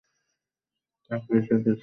তাঁহাকে এ বিষয়ে কিছু বলিও না।